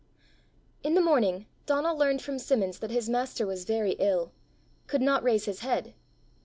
In the morning Donal learned from Simmons that his master was very ill could not raise his head.